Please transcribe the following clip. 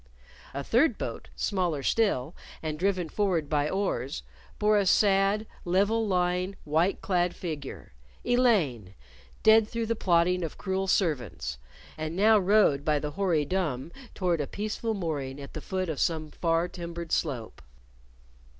A third boat, smaller still, and driven forward by oars, bore a sad, level lying, white clad figure Elaine, dead through the plotting of cruel servants, and now rowed by the hoary dumb toward a peaceful mooring at the foot of some far timbered slope.